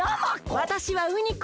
わたしはウニコ。